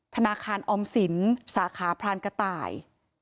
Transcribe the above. ธนาคารออมสินสาขาพรานกระต่าย